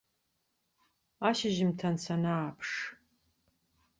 Ашьжьымҭан санааԥш.